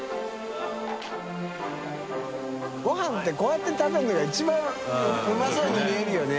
瓦呂鵑辰こうやって食べるのが一番うまそうに見えるよね。